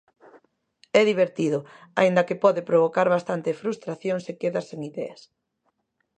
É divertido, aínda que pode provocar bastante frustración se quedas sen ideas.